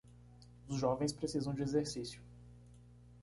Os jovens precisam de exercício